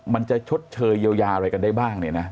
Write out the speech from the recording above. ชดเชยเยียวยาอะไรกันได้บ้างเนี่ยนะ